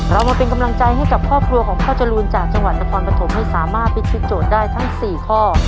เรามาเป็นกำลังใจให้กับครอบครัวของพ่อจรูนจากจังหวัดนครปฐมให้สามารถพิธีโจทย์ได้ทั้ง๔ข้อ